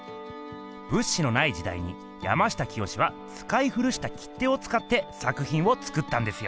物資のない時代に山下清はつかい古した切手をつかってさくひんをつくったんですよ。